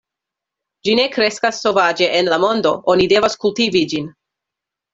Ĝi ne kreskas sovaĝe en la mondo; oni devas kultivi ĝin.